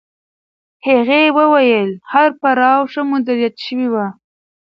هغې وویل هر پړاو ښه مدیریت شوی و.